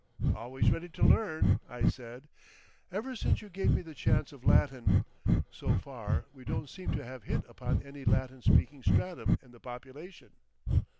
"Always ready to learn!" I said. "Ever since you gave me the chance of Latin. So far we don't seem to have hit upon any Latin speaking stratum in the population."